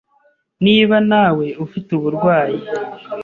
Niba na we ufite uburwayi